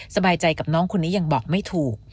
สบายใจกับน้องคนนี้ยังบอกไม่ถูก